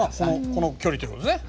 この距離ということですね。